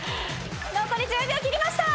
残り１０秒切りました。